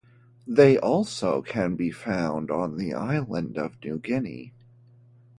They also can be found on the island of New Guinea.